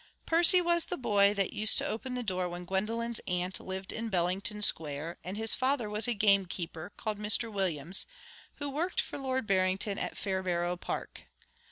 Percy was the boy that used to open the door when Gwendolen's aunt lived in Bellington Square, and his father was a gamekeeper, called Mr Williams, who worked for Lord Barrington at Fairbarrow Park.